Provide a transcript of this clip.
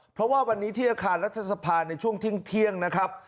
เพราะว่าวันนี้ที่อาคารรัฐสภาในช่วงเที่ยงนะครับ